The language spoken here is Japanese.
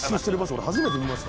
俺初めて見ました」